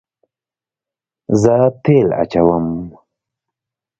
زه تیل اچوم